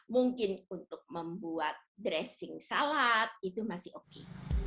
mungkin untuk membuat dressing salad itu masih oke